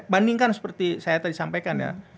bandingkan seperti saya tadi sampaikan ya